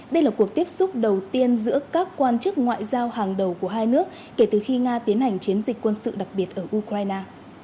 đây là cuộc tiếp xúc đầu tiên giữa các quan chức ngoại giao hàng đầu của hai nước kể từ khi nga tiến hành chiến dịch quân sự đặc biệt ở ukraine